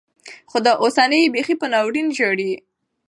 خو دا اوسنۍيې بيخي په ناورين ژاړي.